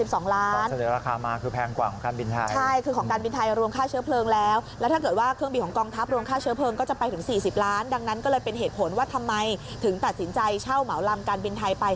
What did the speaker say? เสร็จภารกิจบินกลับทันที